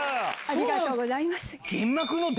ありがとうございます。